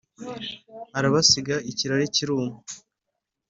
arabasiga ikirari kiruma